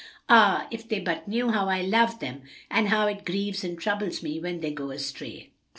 Ah, if they but knew how I love them! and how it grieves and troubles me when they go astray!"